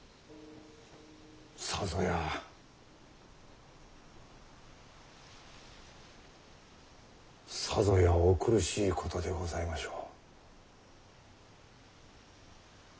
さぞやさぞやお苦しいことでございましょう。